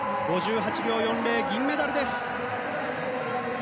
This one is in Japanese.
５８秒４０、銀メダルです。